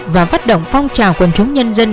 và phát động phong trào quân chống nhân dân